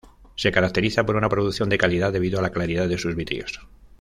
Se caracteriza por una producción de calidad debido a la claridad de sus vidrios.